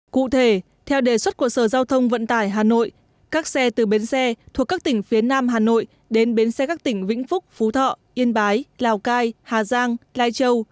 cụ thể theo đề xuất của sở giao thông vận tải hà nội các xe từ bến xe thuộc các tỉnh phía nam hà nội đến bến xe các tỉnh vĩnh phúc phú thọ yên bái lào cai hà giang lai châu